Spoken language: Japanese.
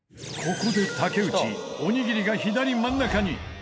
ここで竹内おにぎりが左真ん中に。